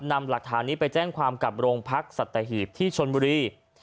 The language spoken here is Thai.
นำหลักฐานนี้ไปแจ้งความกับโรงพักษัตหีบที่ชนบุรี